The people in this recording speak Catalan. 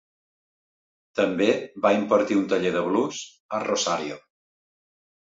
També va impartir un taller de 'blues' a Rosario.